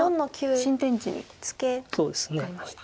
新天地に向かいました。